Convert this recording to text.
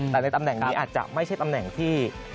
แต่ในตำแหน่งนี้อาจจะไม่ใช่ตำแหน่งที่